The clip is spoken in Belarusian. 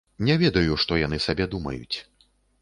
Не ведаю, што яны сабе думаюць.